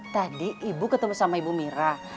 tadi ibu ketemu sama ibu mira